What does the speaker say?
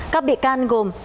các bị can gồm